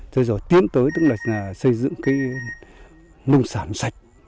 thế rồi tiến tới tức là xây dựng cái nông sản sạch